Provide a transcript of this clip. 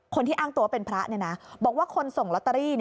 คนที่อ้างตัวเป็นพระบอกว่าคนส่งลอตเตอรี่